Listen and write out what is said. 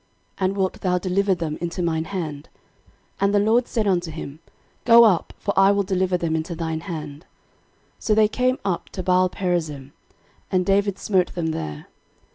And wilt thou deliver them into mine hand? And the LORD said unto him, Go up; for I will deliver them into thine hand. 13:014:011 So they came up to Baalperazim; and David smote them there.